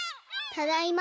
ただいま。